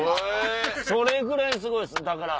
それぐらいすごいですだから。